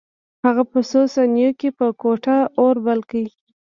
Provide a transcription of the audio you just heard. هغه په څو ثانیو کې په کوټه اور بل کړ